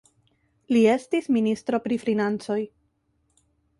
Li estis ministro pri Financoj.